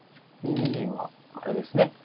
２二銀はあれですね